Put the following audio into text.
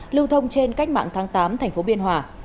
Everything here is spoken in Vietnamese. lưu thông trên cách mạng tháng tám tp biên hòa